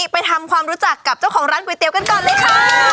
ไปทำความรู้จักกับเจ้าของร้านก๋วยเตี๋ยกันก่อนเลยค่ะ